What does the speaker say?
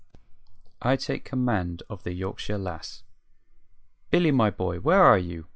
I TAKE COMMAND OF THE "YORKSHIRE LASS." "Billy, my boy, where are you?"